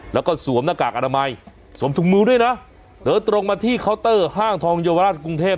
แล้วก็สวมหน้ากากอนามัยสวมถุงมือด้วยนะเดินตรงมาที่เคาน์เตอร์ห้างทองเยาวราชกรุงเทพ